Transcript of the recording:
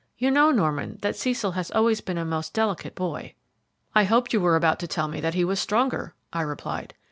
You know, Norman, that Cecil has always been a most delicate boy." "I hoped you were about to tell me that he was stronger," I replied.